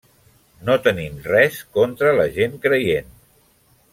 No tenim res contra la gent creient.